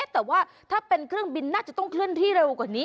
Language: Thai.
แต่ว่าถ้าเป็นเครื่องบินน่าจะต้องเคลื่อนที่เร็วกว่านี้